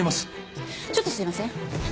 ちょっとすいません。